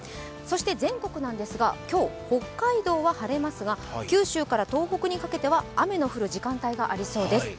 そして全国ですが、今日、北海道は晴れますが、九州から東北にかけては雨の降る時間帯がありそうです。